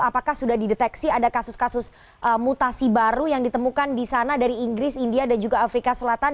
apakah sudah dideteksi ada kasus kasus mutasi baru yang ditemukan di sana dari inggris india dan juga afrika selatan